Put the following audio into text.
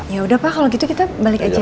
ya udah pak kalo gitu kita balik aja ya